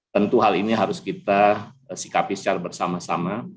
tentu hal ini harus kita sikapi secara bersama sama